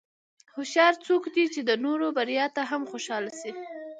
هوښیار څوک دی چې د نورو بریا ته هم خوشاله شي.